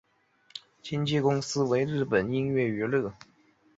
经纪公司为日本音乐娱乐。